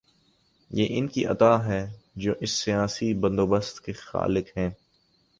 یہ ان کی عطا ہے جو اس سیاسی بندوبست کے خالق ہیں۔